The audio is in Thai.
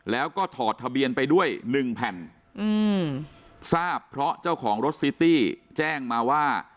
แล้วก็ถอดทะเบียนไปด้วยหนึ่งแผ่นอืมทราบเพราะเจ้าของรถซิตี้แจ้งมาว่า